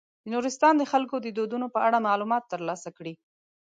د نورستان د خلکو د دودونو په اړه معلومات تر لاسه کړئ.